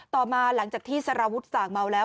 ต่อมาหลังจากที่สารวุฒิสั่งเมาแล้ว